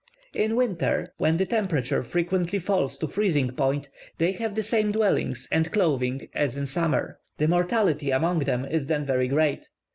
In winter, when the temperature frequently falls to freezing point, they have the same dwellings and clothing as in summer: the mortality among them is then very great.